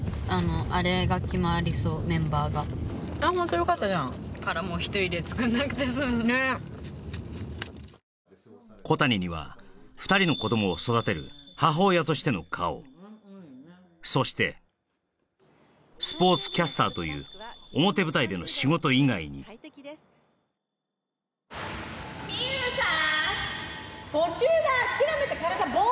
あれが決まりそうメンバーがああホント？よかったじゃんだからもう１人で作んなくて済むねっ小谷には２人の子どもを育てる母親としての顔そしてという表舞台での仕事以外にミユさん！